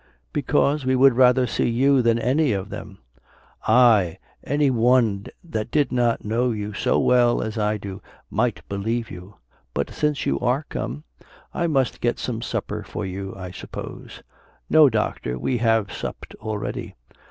"Because we would rather see you than any of them." "Ay, any one that did not know you so well as I do, might believe you. But since you are come, I must get some supper for you, I suppose." "No, Doctor, we have supped already."